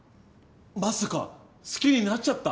まさか好きになっちゃった？